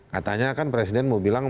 katanya kan presiden mau bilang